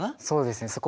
そうですね。